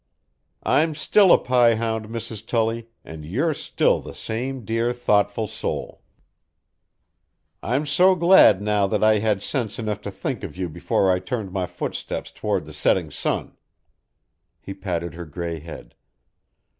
"I'm still a pie hound, Mrs. Tully, and you're still the same dear, thoughtful soul. I'm so glad now that I had sense enough to think of you before I turned my footsteps toward the setting sun." He patted her gray head.